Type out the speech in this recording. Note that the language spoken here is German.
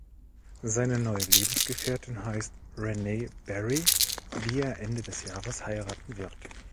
Seine neue Lebensgefährtin heißt Renee Berry, die er Ende des Jahres heiraten wird.